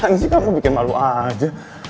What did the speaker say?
sih kamu bikin malu aja